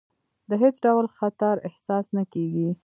د هېڅ ډول خطر احساس نه کېږي.